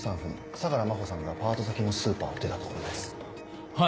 相良真帆さんがパート先のスーパーを出たところですはい！